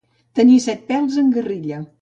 Tenir set pèls en guerrilla.